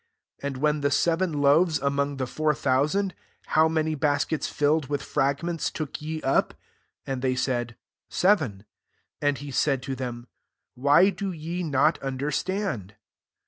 '* 20 " And when the seven loave§ among the four thousand ; how many bas kets iilled with fragments took ye up?*' And they said, "Seven. 21 And he said to them, " Why do ye not understand